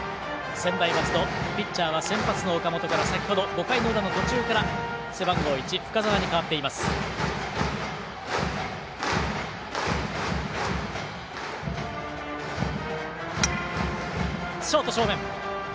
専大松戸、ピッチャーは先発の岡本から先ほど５回の裏の途中から背番号１の深沢に代わっています。